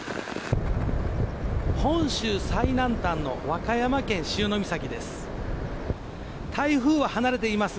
本州最南端の和歌山県・潮岬です。